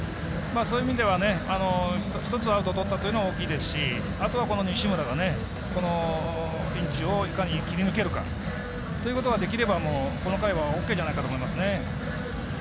そういう意味では１つアウトをとったのは大きいですし、あとは西村がこのピンチをいかに切り抜けるかということができれば、この回はＯＫじゃないかと思いますね。